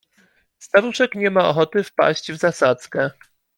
"Staruszek nie ma ochoty wpaść w zasadzkę."